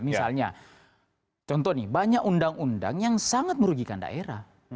misalnya contoh nih banyak undang undang yang sangat merugikan daerah